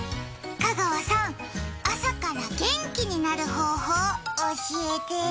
香川さん、朝から元気になる方法教えて。